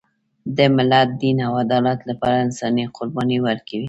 د ملت، دین او عدالت لپاره انسانان قرباني ورکوي.